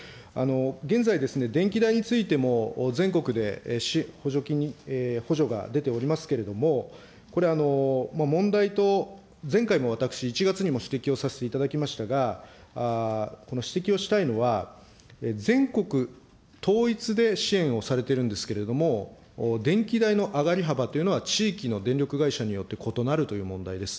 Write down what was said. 現在、電気代についても全国で補助金、補助が出ておりますけれども、これ、問題と、前回も私、１月にも指摘をさせていただきましたが、指摘をしたいのは、全国統一で支援をされているんですけれども、電気代の上り幅というのは地域の電力会社によって異なるという問題です。